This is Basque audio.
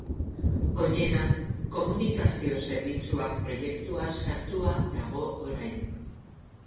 Goiena Komunikazio Zerbitzuak proiektuan sartua dago orain.